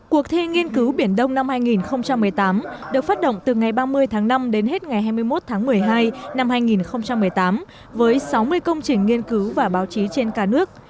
cuộc thi nghiên cứu biển đông năm hai nghìn một mươi tám được phát động từ ngày ba mươi tháng năm đến hết ngày hai mươi một tháng một mươi hai năm hai nghìn một mươi tám với sáu mươi công trình nghiên cứu và báo chí trên cả nước